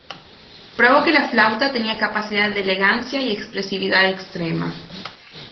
Probó que la flauta tenía capacidad de elegancia y expresividad extrema.